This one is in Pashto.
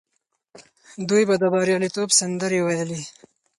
دوی به د بریالیتوب سندرې ویلې.